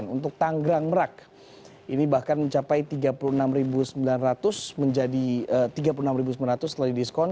untuk tanggrang merak ini bahkan mencapai rp tiga puluh enam sembilan ratus setelah didiskon